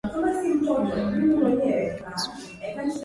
Wanaume hupenda kulima kila asubuhi.